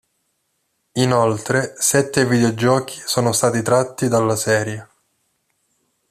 Inoltre, sette videogiochi sono stati tratti dalla serie.